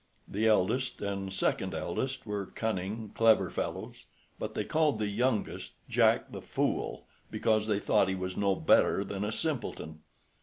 The eldest and second eldest were cunning, clever fellows, but they called the youngest Jack the Fool, because they thought he was no better than a simpleton.